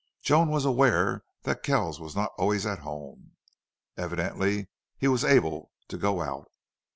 Joan was aware that Kells was not always at home. Evidently he was able to go out.